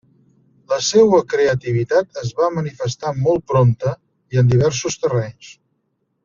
La seua creativitat es va manifestar molt prompte i en diversos terrenys.